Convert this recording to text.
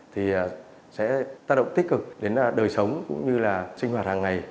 thì sẽ tác động tích cực đến đời sống cũng như là sinh hoạt hàng ngày